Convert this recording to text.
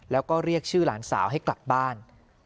แล้วก็เรียกชื่อหลานสาวให้กลับบ้าน